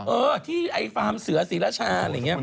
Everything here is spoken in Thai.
เออที่ไอ้ฟาร์มเสือศรีราชาอะไรอย่างนี้